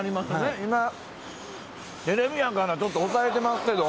今、テレビやからちょっと抑えてますけど。